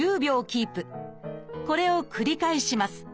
これを繰り返します。